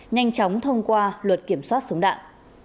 nhanh chóng thông qua luật kiểm soát súng đạn